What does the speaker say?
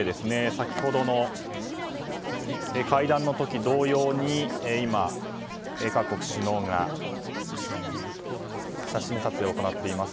先ほどの会談の時同様に今、各国首脳が写真撮影を行っています。